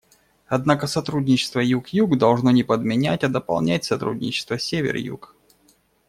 Однако сотрудничество Юг-Юг должно не подменять, а дополнять сотрудничество Север-Юг.